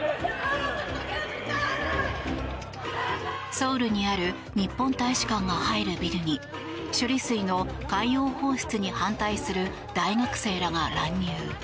ソウルにある日本大使館が入るビルに処理水の海洋放出に反対する大学生らが乱入。